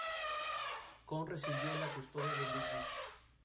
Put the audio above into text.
Koons recibió la custodia de Ludwig.